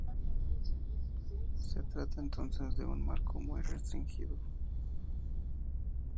Se trata entonces de un marco muy restringido.